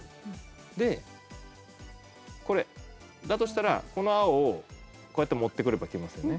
だとしたらこの青をこうやって持ってくれば消えますよね。